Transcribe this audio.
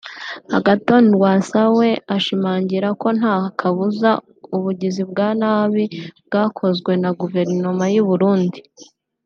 Agathon Rwasa we ashimangira ko nta kabuza ubugizi bwa nabi bwakozwe na Guverinoma y’u Burundi